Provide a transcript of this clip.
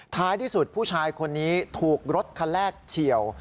ท้ายที่สุดผู้ชายคนนี้ถูกรถคันแรกเฉียว